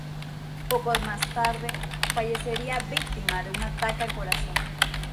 Poco más tarde, fallecería víctima de un ataque al corazón.